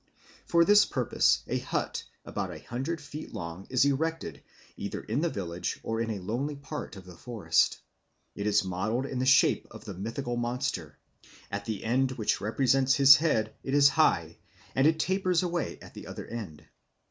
For this purpose a hut about a hundred feet long is erected either in the village or in a lonely part of the forest. It is modelled in the shape of the mythical monster; at the end which represents his head it is high, and it tapers away at the other end.